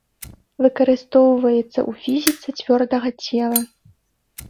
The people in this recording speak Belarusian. Выкарыстоўваецца ў фізіцы цвёрдага цела.